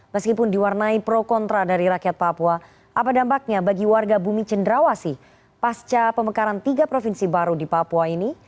meskipun diwarnai pro kontra dari rakyat papua apa dampaknya bagi warga bumi cenderawasi pasca pemekaran tiga provinsi baru di papua ini